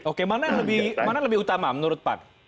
oke mana lebih utama menurut pan